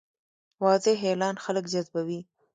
واضح اعلان خلک جذبوي.